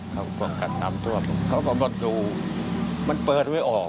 เขาก็กัดน้ำทั่วมันเปิดไว้ออกประตูเปิดไว้ออก